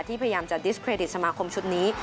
พยายามจะดิสเครดิตสมาคมชุดนี้